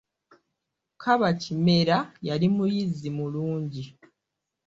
Kaba Kimera yali muyizzi mulungi.